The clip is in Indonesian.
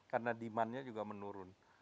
karena demandnya juga menurun